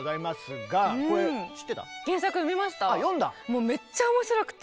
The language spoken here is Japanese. もうめっちゃ面白くて。